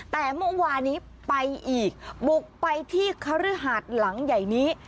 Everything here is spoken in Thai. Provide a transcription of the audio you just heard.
แต่เมื่อวานี้ไปอีกบุกไปที่คฤหาสหลังใหญ่นี้